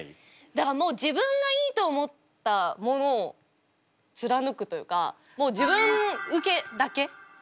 だからもう自分がいいと思ったものを貫くというかもう自分受けだけ。